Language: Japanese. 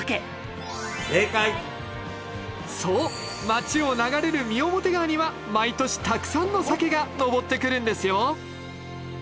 そう町を流れる三面川には毎年たくさんの鮭が上ってくるんですよ！